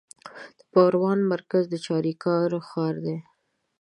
د پروان مرکز د چاریکارو ښار دی